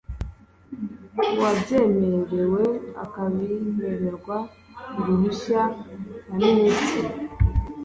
uwabyemerewe akabihererwa uruhushya na minisitiri